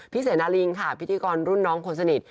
เสนาลิงค่ะพิธีกรรุ่นน้องคนสนิท